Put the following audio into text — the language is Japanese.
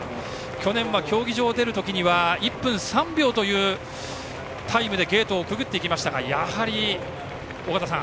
去年は競技場を出る時には１分３秒というタイムでゲートをくぐっていきましたがやはり尾方さん